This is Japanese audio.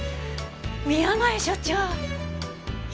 宮前所長！